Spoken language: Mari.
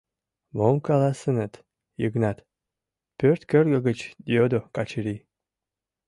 — Мом каласынет, Йыгнат? — пӧрт кӧргӧ гыч йодо Качыри.